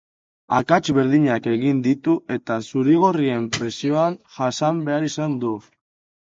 Akats berdinak egin ditu, eta zurigorrien presioa jasan behar izan du.